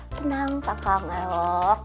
tenang pakang ewek